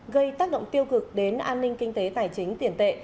gây tác động tiêu cực đến an ninh kinh tế tài chính tiền tệ